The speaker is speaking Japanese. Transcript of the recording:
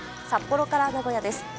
札幌から名古屋です。